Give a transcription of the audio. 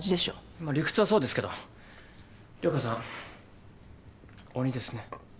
まあ理屈はそうですけど涼子さん鬼ですね。